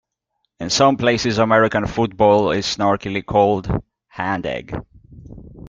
In some places, American football is snarkily called hand-egg.